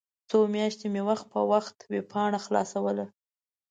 څو میاشتې مې وخت په وخت ویبپاڼه خلاصوله.